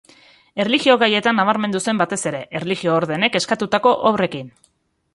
Erlijio-gaietan nabarmendu zen batez ere, erlijio-ordenek eskatutako obrekin.